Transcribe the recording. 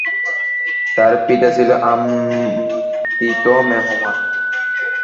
তার পিতা ছিল আমন্ত্রিত মেহমান।